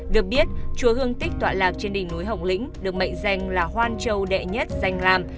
được biết chùa hương tích tọa lạc trên đỉnh núi hồng lĩnh được mệnh danh là hoan châu đệ nhất danh làm